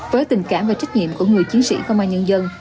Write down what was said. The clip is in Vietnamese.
với tình cảm và trách nhiệm của người chiến sĩ công an nhân dân